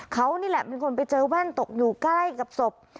เขานี่แหละเป็นคนไปเจอแว่นตกอยู่ใกล้กับศพ